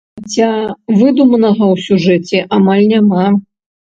Хаця выдуманага ў сюжэце амаль няма.